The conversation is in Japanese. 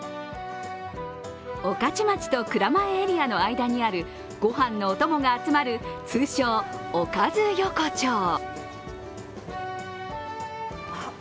御徒町と蔵前エリアの間にある、御飯のお供が集まる通称・おかず横丁。